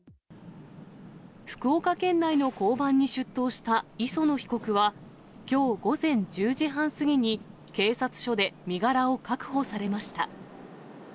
福岡県内の交番に出頭した磯野被告は、きょう午前１０時半過ぎに、警察署で身柄を確保されました。